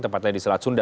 tempatnya di selat sunda